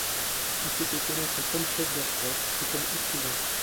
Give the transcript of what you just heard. Il s'est fait connaître comme chef d'orchestre et comme écrivain.